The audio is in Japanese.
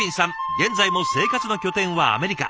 現在も生活の拠点はアメリカ。